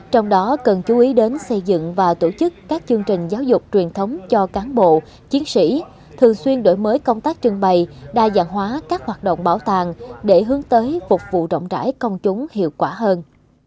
trong đó cần chú ý đến xây dựng và tổ chức các chương trình giáo dục truyền thống cho cán bộ chiến sĩ thường xuyên đổi mới công tác trưng bày đa dạng hóa các hoạt động bảo tàng để hướng tới phục vụ rộng rãi công chúng hiệu quả hơn